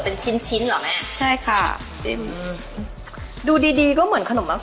อันนี้คือใสเตียงสีเหลือง